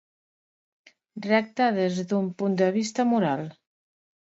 Recta des d'un punt de vista moral.